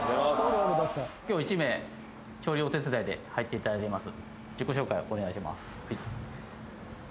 今日１名調理お手伝いで入っていただいています